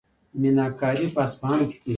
میناکاري په اصفهان کې کیږي.